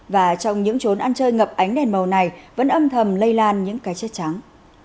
và trong những trốn ăn chơi ngập ánh đèn màu này vẫn âm thầm lây lan những cái chết trắng